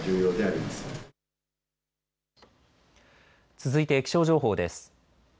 続いて気象情報です。